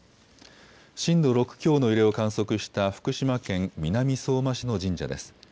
震度６強の揺れを観測した福島県南相馬市の神社です。